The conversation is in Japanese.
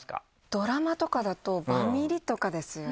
ドラマとかだとバミリとかですよね。